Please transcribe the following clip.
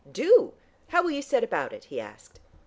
"Do! How will you set about it?" he asked.